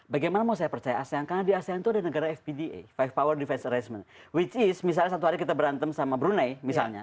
bagaimana mau saya percaya asean karena di asean itu ada negara fpda lima power defense arrangement which is misalnya satu hari kita berantem sama brunei misalnya